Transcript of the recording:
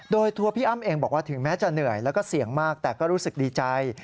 โดยตัวพี่อ้ำเองบอกว่าถึงแม้จะเหนื่อยแล้วก็เสี่ยงมากแต่ก็รู้สึกดีใจ